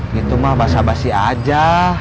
gitu mah basah basih aja